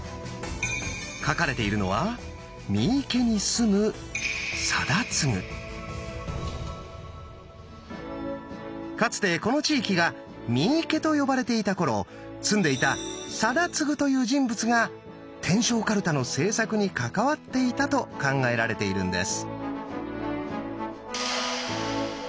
書かれているのはかつてこの地域が三池と呼ばれていた頃住んでいた貞次という人物が天正カルタの製作に関わっていたと考えられているんです。